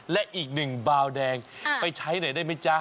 และอีกหนึ่งบาวแดงไปใช้หน่อยได้ไหมจ๊ะ